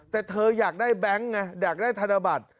แต่เธออยากได้แบงค์ไงอยากได้ธนบัตร